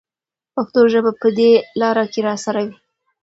پښتو ژبه به په دې لاره کې راسره وي.